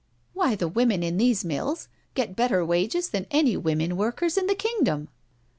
" Why, the women in these mills get better wages than any women workers in the kingdom."